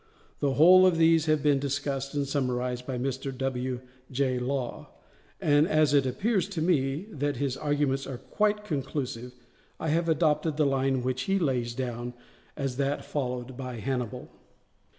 The whole of these have been discussed and summarized by Mr. W. J. Law, and as it appears to me that his arguments are quite conclusive I have adopted the line which he lays down as that followed by Hannibal.